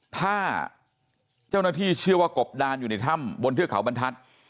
ถ้าเจ้าหน้าที่เชื่อว่ากบดานอยู่ในถ้ำบนเทือกเขาบรรทัศน์